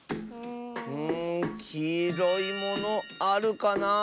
んきいろいものあるかなあ。